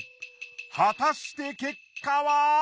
果たして結果は！？